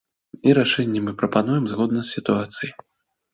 І рашэнні мы прымаем згодна з сітуацыяй.